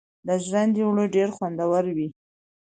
د ژرندې اوړه ډیر خوندور وي.